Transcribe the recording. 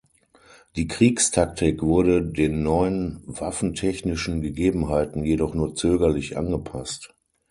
Die Kriegstaktik wurde den neuen waffentechnischen Gegebenheiten jedoch nur zögerlich angepasst.